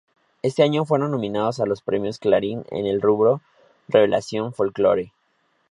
Ese año fueron nominados a los Premios Clarín en el rubro "revelación folklore".